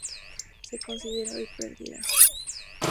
Se considera hoy perdida.